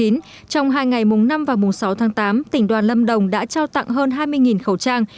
trong hai ngày mùng năm và mùng sáu tháng tám tỉnh đoàn lâm đồng đã trao tặng hơn hai mươi khẩu trang